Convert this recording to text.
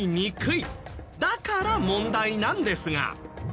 だから問題なんですが。